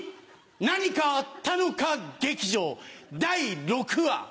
何かあったのか劇場第６話。